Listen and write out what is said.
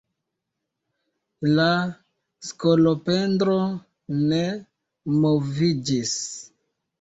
La skolopendro ne moviĝis.